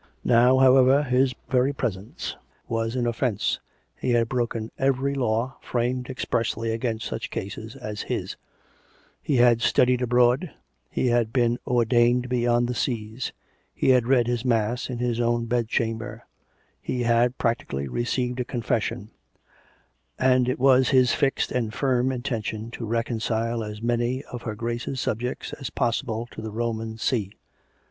Now, however, his very presence was an offence: he had broken every law framed expressly against such cases as his; he had studied abroad, he had been " ordained beyond the seas "; he had read his mass in his own bedchamber; he had, practically, received a confession; and it was his fixed and firm intention to " reconcile " as many of " her Grace's subjects " as possible to the " Roman See."